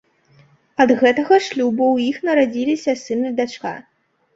Ад гэтага шлюбу ў іх нарадзіліся сын і дачка.